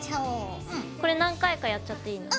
これ何回かやっちゃっていいの？